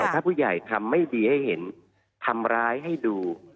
ถ้าผู้ใหญ่ทำไม่ดีให้เห็นทำร้ายให้ดู